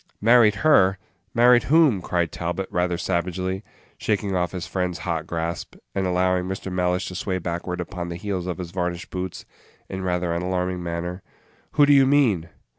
"Married her! Married whom?" cried Talbot, rather savagely, shaking off his friend's hot grasp, and allowing Mr. Mellish to sway backward upon the heels of his varnished boots in rather an alarming manner. "Who do you mean?"